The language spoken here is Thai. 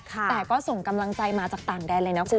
แต่ก็ส่งกำลังใจมาจากต่างแดนเลยนะคุณ